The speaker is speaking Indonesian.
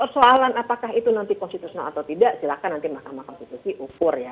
persoalan apakah itu nanti konstitusional atau tidak silakan nanti mahkamah konstitusi ukur ya